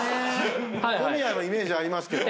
小宮のイメージありますけど。